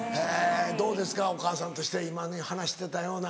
どうですかお母さんとして今話してたような。